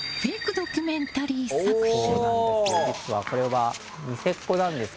ドキュメンタリー作品。